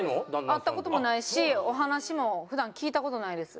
会った事もないしお話も普段聞いた事ないです。